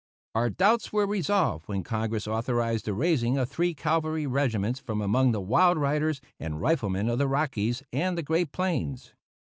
Our doubts were resolved when Congress authorized the raising of three cavalry regiments from among the wild riders and riflemen of the Rockies and the Great Plains.